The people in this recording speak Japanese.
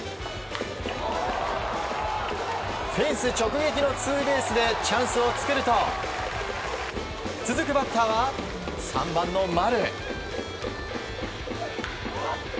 フェンス直撃のツーベースでチャンスを作ると続くバッターは、３番の丸。